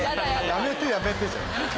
「やめてやめて」じゃないっす。